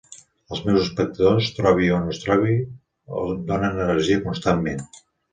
Els meus espectadors, trobi on els trobi, em donen energia constantment.